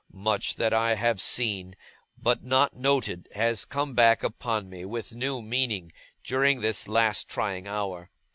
Much that I have seen, but not noted, has come back upon me with new meaning, during this last trying hour.